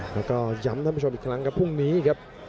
แล้วก็ย้ำท่านผู้ชมอีกครั้งครับพรุ่งนี้ครับ